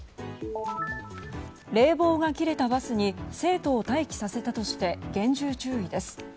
冷房が切れたバスに生徒を待機させたとして厳重注意です。